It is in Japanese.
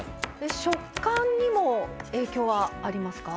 食感にも影響はありますか？